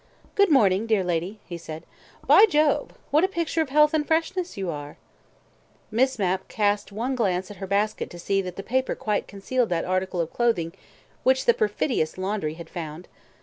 "Good morning, dear lady," he said. "By Jove! what a picture of health and freshness you are!" Miss Mapp cast one glance at her basket to see that the paper quite concealed that article of clothing which the perfidious laundry had found.